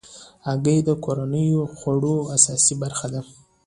هګۍ د کورنیو خوړو اساسي برخه ده.